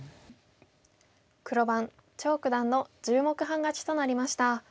黒番張九段の１０目半勝ちとなりました。